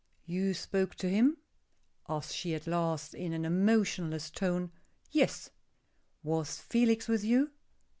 "You spoke to him?" asks she at last, in an emotionless tone. "Yes." "Was Felix with you?"